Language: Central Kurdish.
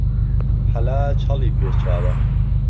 حەلاج هەڵی پێچاوە